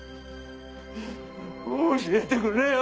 教えてくれよ！